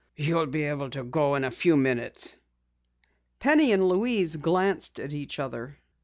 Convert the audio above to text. "You'll be able to go in a few minutes." Penny and Louise glanced at each other.